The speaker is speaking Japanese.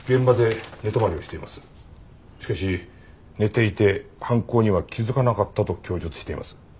しかし寝ていて犯行には気づかなかったと供述しています。